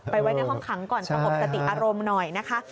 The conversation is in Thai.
ไปไว้ในห้องค้างก่อนต้องอบตะติอารมณ์หน่อยนะคะ